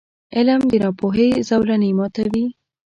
• علم، د ناپوهۍ زولنې ماتوي.